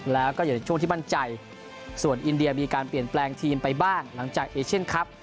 แล้วก็อยู่ในช่วงที่มั่นใจส่วนอินเดียมีการเปลี่ยนแปลงทีมไปบ้างหลังจากเอเชียนครับ